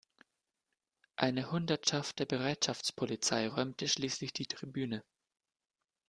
Eine Hundertschaft der Bereitschaftspolizei räumte schließlich die Tribüne.